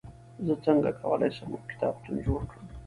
زه څنګه کولای سم، یو کتابتون جوړ کړم؟